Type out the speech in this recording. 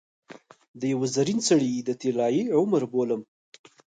د یوه زرین سړي د طلايي عمر بولم.